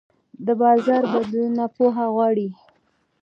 د بازار بدلونونه پوهه غواړي.